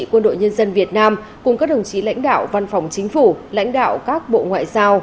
quân đội nhân dân việt nam cùng các đồng chí lãnh đạo văn phòng chính phủ lãnh đạo các bộ ngoại giao